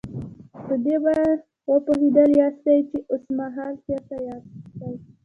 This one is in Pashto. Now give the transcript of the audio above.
په دې به پوهېدلي ياستئ چې اوسمهال چېرته ياستئ.